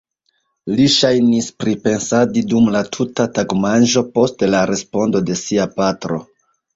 Li ŝajnis pripensadi dum la tuta tagmanĝo post la respondo de sia patro.